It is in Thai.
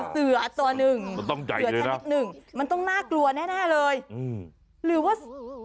เสือต้อนึงเสือเฉี๊ยบนึงมันต้องน่ากลัวแน่เลยหรือว่า